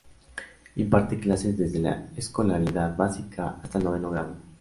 Imparte clases desde la escolaridad básica hasta el noveno grado.